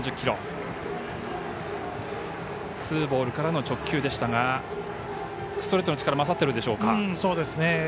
ツーボールからの直球でしたがストレートの力勝っているでしょうか。